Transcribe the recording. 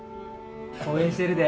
応援してるで。